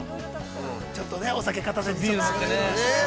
ちょっとね、お酒片手に。